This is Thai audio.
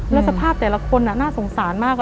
แล้วสภาพแต่ละคนน่าสงสารมาก